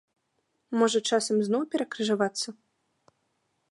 Можа, час ім зноў перакрыжавацца?